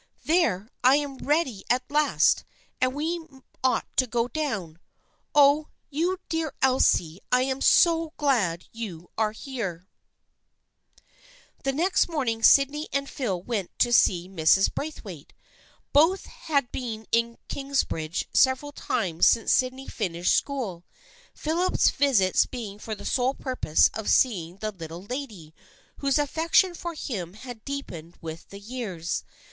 There, I am ready at last, and we ought to go down. Oh, you dear old Elsie, I am so glad you are here !" The next morning Sydney and Phil went to see Mrs. Braithwaite. Both had been in Kingsbridge several times since Sydney finished school, Philip's visits being for the sole purpose of seeing the Lit tle Lady, whose affection for him had deepened with the years.